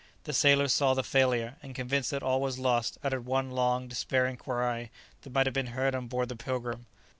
The sailors saw the failure, and convinced that all was lost uttered one long, despairing cry that might have been heard on board the "Pilgrim."